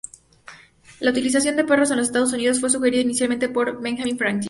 La utilización de perros en los Estados Unidos, fue sugerida inicialmente por Benjamín Franklin.